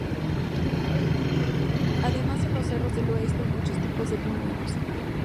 Además, en los cerros del oeste hay muchos tipos de pingüinos.